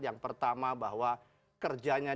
yang pertama bahwa kerjanya